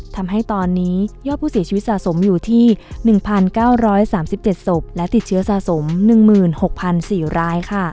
ทำให้ตอนนี้ยอดผู้เสียชีวิตสะสมอยู่ที่๑๙๓๗ศพและติดเชื้อสะสม๑๖๔ราย